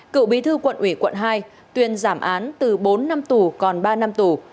cựu bí thư quận ủy quận hai tuyên giảm án từ bốn năm tù còn ba năm tù